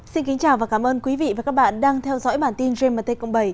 xin kính chào và cảm ơn quý vị và các bạn đang theo dõi bản tin gmt cộng bảy